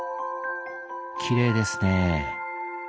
きれいですね。